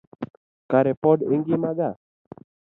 Kare pod ingima gaa?